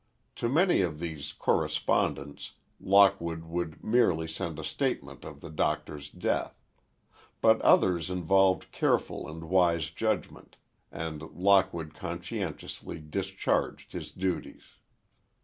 To many of these correspondents Lockwood could merely send a statement of the Doctor's death. But others involved careful and wise judgment, and Lockwood conscientiously discharged his duties.